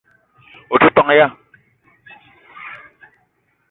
O te ton ya?